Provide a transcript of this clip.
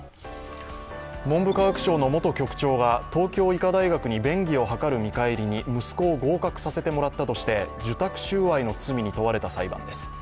文部科学省の元局長が東京医科大学に便宜を図る見返りに息子を合格させてもらったとして、受託収賄の罪に問われた裁判です。